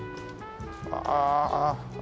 ああ。